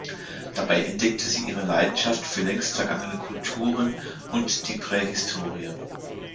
Dabei entdeckte sie ihre Leidenschaft für längst vergangene Kulturen und die Prähistorie.